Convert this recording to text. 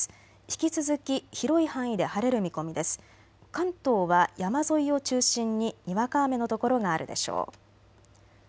関東は山沿いを中心ににわか雨の所があるでしょう。